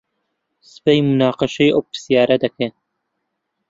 سبەی موناقەشەی ئەو پرسیارە دەکەن.